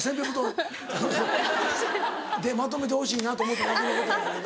でまとめてほしいなと思っただけのことやねんけど。